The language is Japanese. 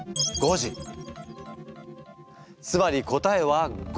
つまり答えは５！